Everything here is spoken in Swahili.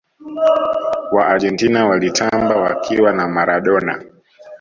waargentina walitamba wakiwa na maradona